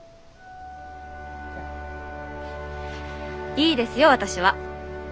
いいですよ私は！